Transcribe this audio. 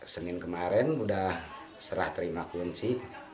senin kemarin sudah serah terima kunci